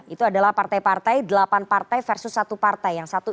itu adalah partai partai delapan partai versus satu partai